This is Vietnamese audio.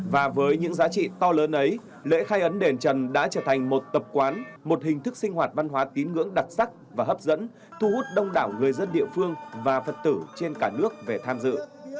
và với những giá trị to lớn ấy lễ khai ấn đền trần đã trở thành một tập quán một hình thức sinh hoạt văn hóa tín ngưỡng đặc sắc và hấp dẫn thu hút đông đảo người dân địa phương và phật tử trên cả nước về tham dự